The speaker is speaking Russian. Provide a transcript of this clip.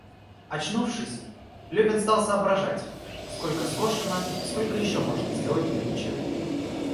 Очнувшись, Левин стал соображать, сколько скошено и сколько еще можно сделать нынче.